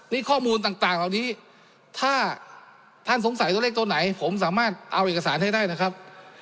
นี่ข้อมูลต่างเหล่านี้ถ้าท่านสงสัยตัวเลขตัวไหนผมสามารถเอาเอกสารให้ได้นะครับ